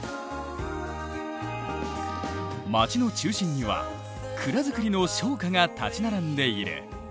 町の中心には蔵造りの商家が立ち並んでいる。